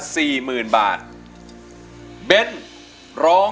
จะใช้หรือไม่ใช้ครับ